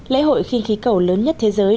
lễ hội khinh khí cầu lớn nhất thế giới